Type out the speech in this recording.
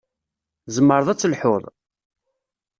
Tzemreḍ ad telḥuḍ?